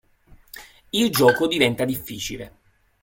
Il gioco diventa difficile.